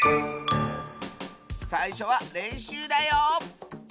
さいしょはれんしゅうだよ！